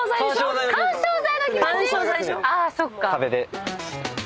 壁で。